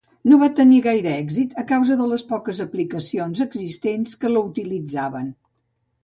No va tenir gaire èxit a causa de les poques aplicacions existents que l'utilitzen.